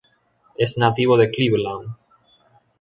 Es nativo de Cleveland.